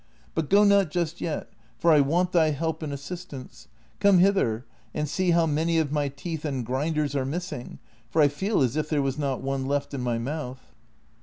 But go not just yet, for I want thy help and assist ance ; come hither and see how many of my teeth and grind ers are missing, for I feel as if there was not one left in my mouth."